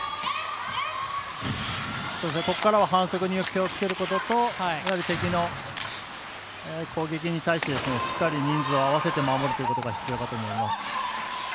ここからは反則に気をつけることと敵の攻撃に対してしっかりと人数を合わせて守るということが必要だと思います。